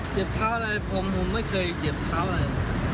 เท้าอะไรผมไม่เคยเหยียบเท้าอะไร